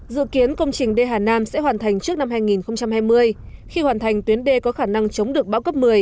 dự kiến công trình đê hà nam sẽ hoàn thành trước năm hai nghìn hai mươi khi hoàn thành tuyến đê có khả năng chống được bão cấp một mươi